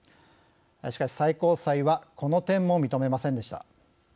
しかし、最高裁はこの点も認めませんでした。